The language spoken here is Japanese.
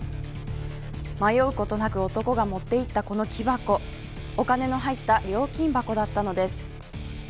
迷うことなく男が持っていったこの木箱お金の入った料金箱だったのです。